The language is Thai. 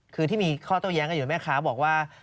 คือที่มีข้อโต้แย้งกันอยู่แม่ค้าบอกว่า